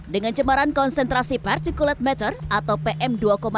dengan cemaran konsentrasi particulate matter atau pm dua lima